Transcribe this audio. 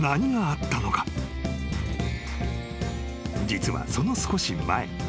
［実はその少し前。